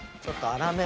粗め。